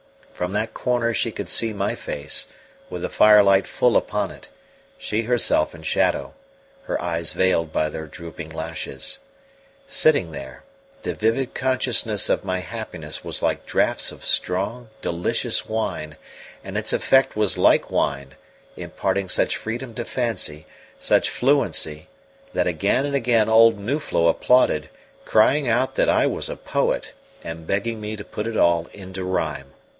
From that corner she could see my face, with the firelight full upon it, she herself in shadow, her eyes veiled by their drooping lashes. Sitting there, the vivid consciousness of my happiness was like draughts of strong, delicious wine, and its effect was like wine, imparting such freedom to fancy, such fluency, that again and again old Nuflo applauded, crying out that I was a poet, and begging me to put it all into rhyme.